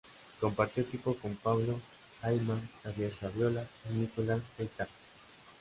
Compartió equipo con Pablo Aimar, Javier Saviola y Nicolás Gaitán.